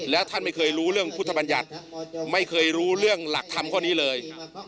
แล้วท่านไม่เคยรู้เรื่องพุทธบัญญัติไม่เคยรู้เรื่องหลักธรรมข้อนี้เลย